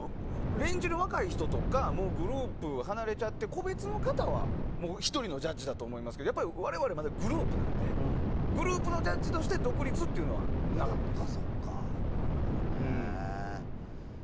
若い人とかグループ離れちゃって個別の方は、１人のジャッジだと思いますけど我々、まだグループなのでグループのジャッジとして独立というのはなかったです。